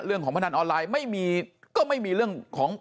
เรื่องของประนันตร์ออนไลน์ไม่มีเรื่องของ